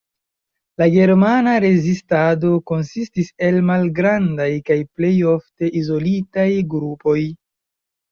La Germana rezistado konsistis el malgrandaj kaj plej ofte izolitaj grupoj.